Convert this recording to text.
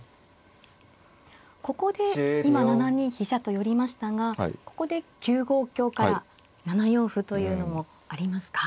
ここで今７二飛車と寄りましたがここで９五香から７四歩というのもありますか。